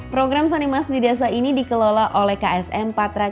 program sanimas di desa ini dikelola oleh ksm patra kencana dan